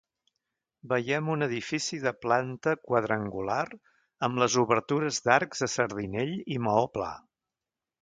Veiem un edifici de planta quadrangular amb les obertures d'arcs a sardinell i maó pla.